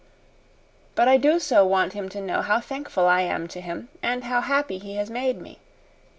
But I do so want him to know how thankful I am to him and how happy he has made me.